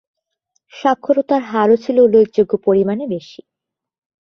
সাক্ষরতার হারও ছিল উল্লেখযোগ্য পরিমাণে বেশি।